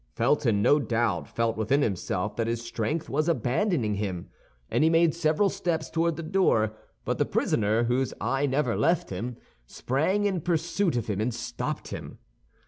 Felton no doubt felt within himself that his strength was abandoning him, and he made several steps toward the door; but the prisoner, whose eye never left him, sprang in pursuit of him and stopped him.